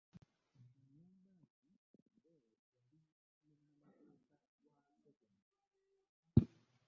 Ng'agamba nti Dollo yali munnamateeka wa Museveni